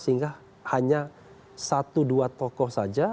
sehingga hanya satu dua tokoh saja